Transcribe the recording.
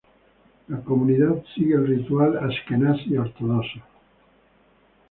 La comunidad sigue el ritual ashkenazi ortodoxo.